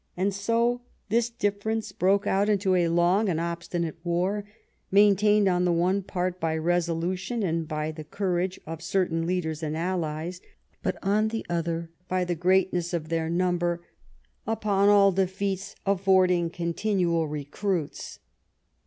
And so this difference broke out into a long and obstinate war ; maintained on the one part by resolution, and by the courage of certain leaders and allies ; but on the other, 242 JONATHAN SWIFT by the greatness of their number, upon all defeats affording continual recruits.